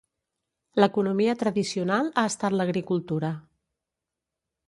L'economia tradicional ha estat l'agricultura.